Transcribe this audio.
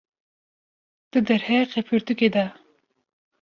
di derheqê pirtûkê de